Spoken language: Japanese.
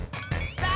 「さあ！